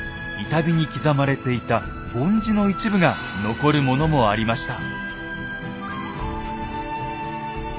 板碑に刻まれていた梵字の一部が残るものもありました。